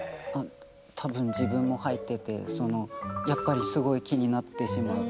多分自分も入っててやっぱりすごい気になってしまう。